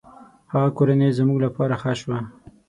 هغه کورنۍ زموږ له پاره ښه شوه.